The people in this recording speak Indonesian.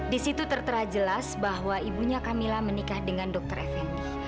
di situ tertera jelas bahwa ibunya camilla menikah dengan dokter effendi